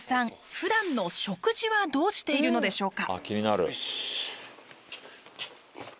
ふだんの食事はどうしているのでしょうか？